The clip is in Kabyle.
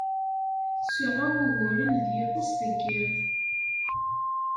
Seɛɛuɣ uguren d yiḍes deg yiḍ.